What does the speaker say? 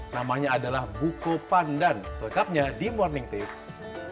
namanya adalah buko pandan lengkapnya di morning tips